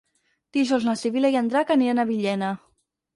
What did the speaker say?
Dijous na Sibil·la i en Drac aniran a Villena.